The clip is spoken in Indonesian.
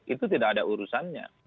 itu tidak ada urusannya